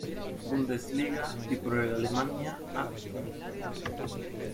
Bundesliga; y por el Alemannia Aachen.